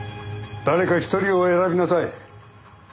誰か１人を選びなさい。